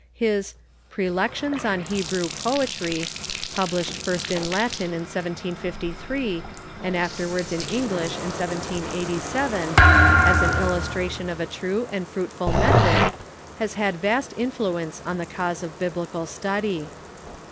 His "Praelections on He brew Poetry," published first in Latin in 1753, and afterwards in English in 1787, as an illustration of a true and fruitful method, has had a vast influence on the cause of Biblical study.